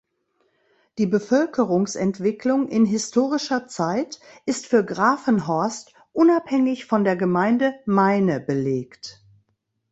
Die Bevölkerungsentwicklung in historischer Zeit ist für Gravenhorst unabhängig von der Gemeinde Meine belegt.